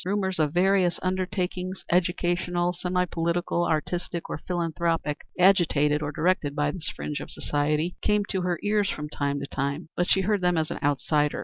Rumors of various undertakings, educational, semi political, artistic, or philanthropic, agitated or directed by this fringe of society, came to her ears from time to time, but she heard them as an outsider.